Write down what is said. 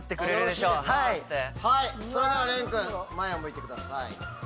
それでは廉君前を向いてください。